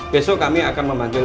besok kami akan memanggil